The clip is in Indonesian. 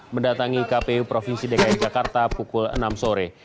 mendatangi kpu provinsi dki jakarta pukul enam sore